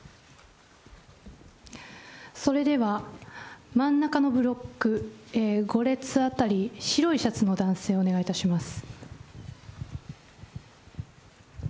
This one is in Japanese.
それでは真ん中のブロック、５列あたり、白いシャツの男性、お願いいたします。